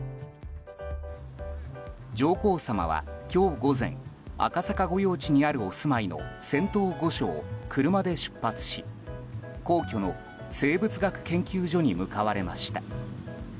上皇さまは今日午前赤坂御用地にあるお住まいの仙洞御所を車で出発し皇居の生物学研究所に向かわれました。